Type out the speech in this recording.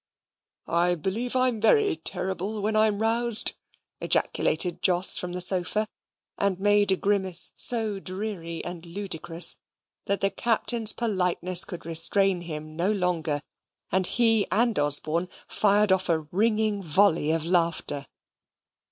"I believe I'm very terrible, when I'm roused," ejaculated Jos from the sofa, and made a grimace so dreary and ludicrous, that the Captain's politeness could restrain him no longer, and he and Osborne fired off a ringing volley of laughter.